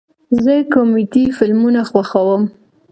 زه کامیډي فلمونه خوښوم